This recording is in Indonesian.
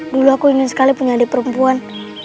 dulu aku ingin sekali punya adik perempuan